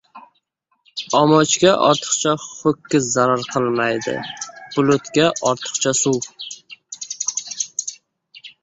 • Omochga ortiqcha ho‘kiz zarar qilmaydi, bulutga — ortiqcha suv.